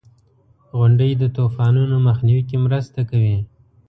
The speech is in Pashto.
• غونډۍ د طوفانونو مخنیوي کې مرسته کوي.